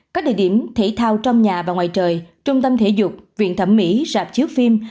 các địa điểm thể thao trong nhà và ngoài trời trung tâm thể dục viện thẩm mỹ sạp chiếu phim